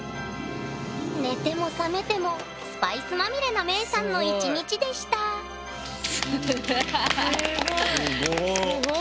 寝ても覚めてもスパイスまみれなメイさんの１日でしたすご。